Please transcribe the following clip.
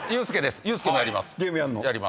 ユースケもやります。